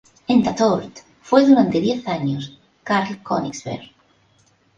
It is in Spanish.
En "Tatort" fue durante diez años Karl Königsberg.